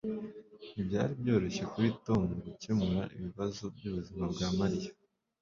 Ntibyari byoroshye kuri Tom gukemura ibibazo byubuzima bwa Mariya